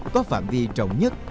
có phạm vi trọng nhất